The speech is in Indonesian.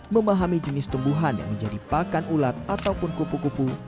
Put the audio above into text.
memahami jenis tumbuhan yang menjadi pakan ulat ataupun kupu kupu